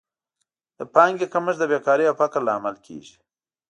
د پانګې کمښت د بېکارۍ او فقر لامل کیږي.